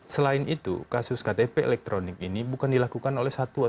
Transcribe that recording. selain itu kasus ktp elektronik ini bukan dilakukan oleh satu atau dua orang